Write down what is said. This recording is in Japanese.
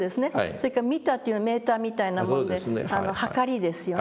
それから「ミタ」というのはメーターみたいなもんで秤ですよね。